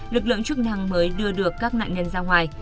lực lượng chức năng mới đưa được các nạn nhân ra ngoài